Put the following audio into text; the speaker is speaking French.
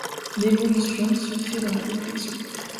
L’évolution se fait dans la réflexion.